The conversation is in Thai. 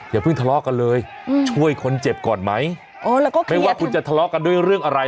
อย่าเพิ่งทะเลาะกันเลยช่วยคนเจ็บก่อนไหมไม่ว่าคุณจะทะเลาะกันด้วยเรื่องอะไร